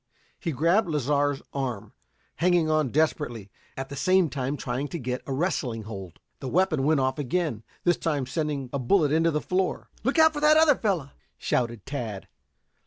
He grabbed Lasar's arm, hanging on desperately, at the same time trying to get a wrestling hold. The weapon went off again, this time sending a bullet into the floor. "Look out for the other fellow!" shouted Tad.